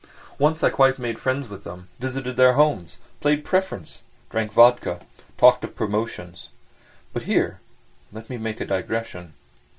Once I quite made friends with them, visited their homes, played preference, drank vodka, talked of promotions.... But here let me make a digression.